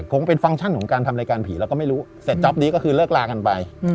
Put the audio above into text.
คงเป็นฟังก์ชั่นของการทำรายการผีเราก็ไม่รู้เสร็จจ๊อปนี้ก็คือเลิกลากันไป